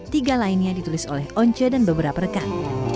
tiga lainnya ditulis oleh once dan beberapa rekan